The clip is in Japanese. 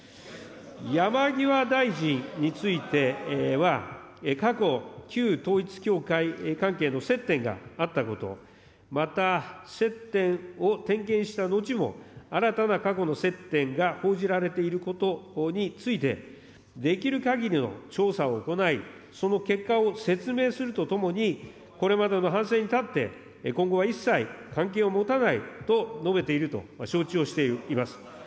山際大臣については、過去、旧統一教会関係の接点があったこと、また接点を点検した後も、新たな過去の接点が報じられていることについて、できるかぎりの調査を行い、その結果を説明するとともに、これまでの反省に立って、今後は一切関係を持たないと述べていると承知をしております。